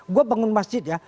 gue bangun masjid ya